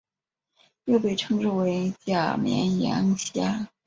又被称之为假绵羊虾。